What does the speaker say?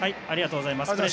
ありがとうございます。